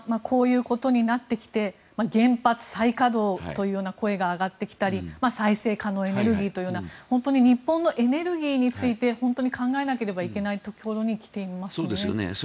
こういうことになってきて原発再稼働というような声が上がってきたり再生可能エネルギーというような本当に日本のエネルギーについて考えなければいけないところに来ていますよね。